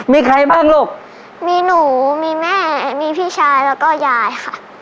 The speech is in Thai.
มีใครบ้างลูกมีหนูมีแม่มีพี่ชายแล้วก็ยายค่ะ